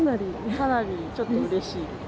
かなりちょっとうれしい。